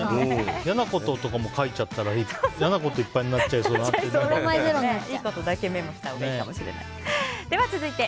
嫌なこととかも書いちゃったら嫌なこと、いっぱいになっちゃいそうだなって。